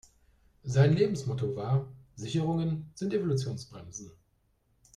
Sein Lebensmotto war: Sicherungen sind Evolutionsbremsen.